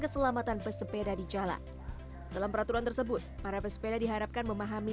keselamatan pesepeda di jalan dalam peraturan tersebut para pesepeda diharapkan memahami